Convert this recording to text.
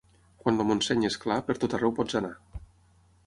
Quan el Montseny és clar, per tot arreu pots anar.